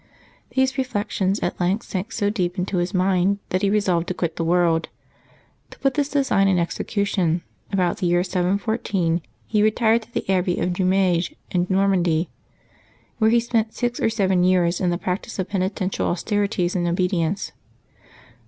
These reflections at length sank so deep into his mind that he resolved to quit the world. To put this design in execution, about the year 714 he retired to the abbey of Jumiege in o^ormandy, where he spent six or seven years in the practice of penitential austerities and obedience.